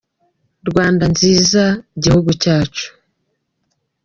Rwanda nziza gihugu cyacu